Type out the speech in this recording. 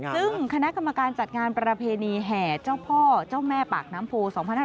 ซึ่งคณะกรรมการจัดงานประเพณีแห่เจ้าพ่อเจ้าแม่ปากน้ำโพ๒๕๖๒